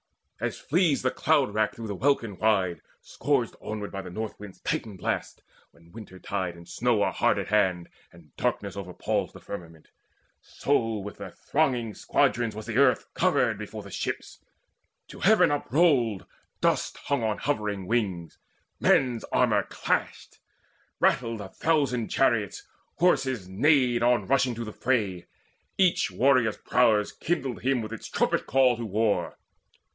As flees the cloud rack through the welkin wide Scourged onward by the North wind's Titan blasts, When winter tide and snow are hard at hand, And darkness overpalls the firmament; So with their thronging squadrons was the earth Covered before the ships. To heaven uprolled, Dust hung on hovering wings' men's armour clashed; Rattled a thousand chariots; horses neighed On rushing to the fray. Each warrior's prowess Kindled him with its trumpet call to war.